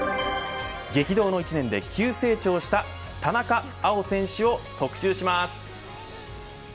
激動の１年で急成長した田中碧選手を特集します。